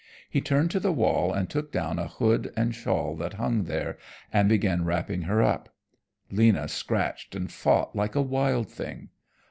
He turned to the wall and took down a hood and shawl that hung there, and began wrapping her up. Lena scratched and fought like a wild thing.